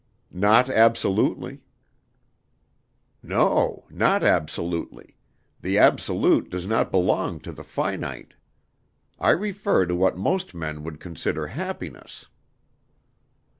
"Not absolutely." "No, not absolutely; the absolute does not belong to the finite. I refer to what most men would consider happiness."